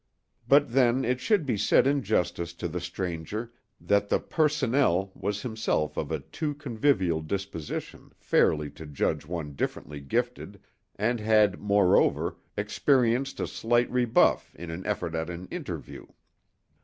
But then it should be said in justice to the stranger that the personnel was himself of a too convivial disposition fairly to judge one differently gifted, and had, moreover, experienced a slight rebuff in an effort at an "interview."